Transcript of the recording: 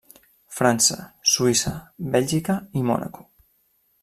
França, Suïssa, Bèlgica i Mònaco.